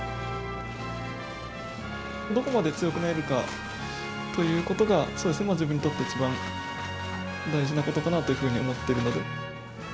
どこまで強くなれるかということが、自分にとって一番大事なことかなというふうに思っているので。